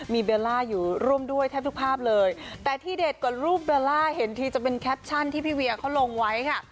มีเบลล่าอยู่ร่วมด้วยแทบทุกภาพเลยแต่ที่เด็ดกว่ารูปเบลล่าเห็นทีจะเป็นแคปชั่นที่พี่เวียเขาลงไว้ค่ะ